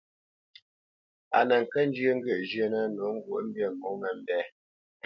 A nə kə́ njyə́ ŋgyə̂ʼ zhyə́nə̄ nǒ ŋgwǒʼmbî mǒmə́mbɛ̂.